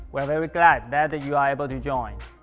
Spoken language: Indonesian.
kami sangat senang dapat bergabung